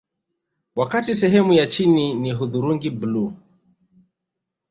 Wakati sehemu ya chini ni hudhurungi bluu